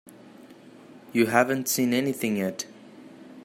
You haven't seen anything yet.